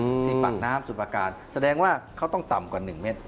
ที่ปากน้ำสุดประการแสดงว่าเขาต้องต่ำกว่าหนึ่งเมตร